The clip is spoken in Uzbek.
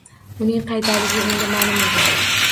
Uning qaydaligi endi ma'lum edi.